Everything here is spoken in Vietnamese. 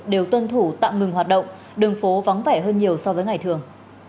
đều tuân thủ tạm ngừng hoạt động đường phố vắng vẻ hơn nhiều so với ngày thường